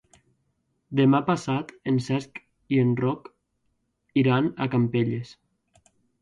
Demà passat en Cesc i en Roc iran a Campelles.